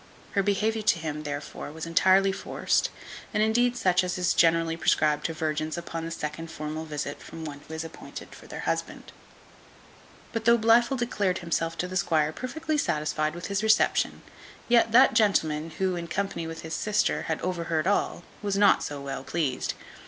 Her behaviour to him, therefore, was entirely forced, and indeed such as is generally prescribed to virgins upon the second formal visit from one who is appointed for their husband. But though Blifil declared himself to the squire perfectly satisfied with his reception; yet that gentleman, who, in company with his sister, had overheard all, was not so well pleased.